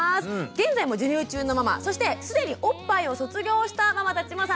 現在も授乳中のママそして既におっぱいを卒業したママたちも参加してくれています。